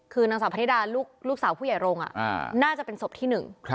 คือนางสาวพนิดาลูกสาวผู้ใหญ่โรงน่าจะเป็นศพที่หนึ่ง